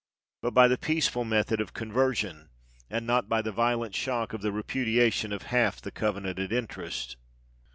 but by the peaceful method of Conversion, and not by the violent shock of the repudiation of half the covenanted interest.